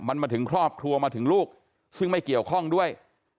มันมาถึงครอบครัวมาถึงลูกซึ่งไม่เกี่ยวข้องด้วย